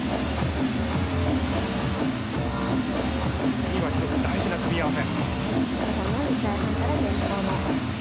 次は大事な組み合わせ。